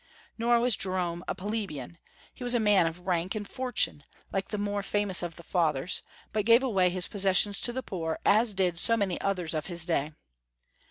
Nor was Jerome a plebeian; he was a man of rank and fortune, like the more famous of the Fathers, but gave away his possessions to the poor, as did so many others of his day.